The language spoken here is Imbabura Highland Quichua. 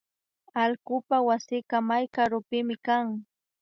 Allkupak wasika may karupimi kan